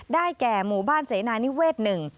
แก่หมู่บ้านเสนานิเวศหนึ่ง